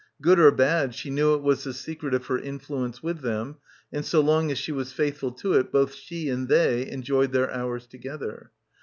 Good or bad, she knew it was the secret of her influence with them, and so long as she was faithful to it both she and they enjoyed their hours together.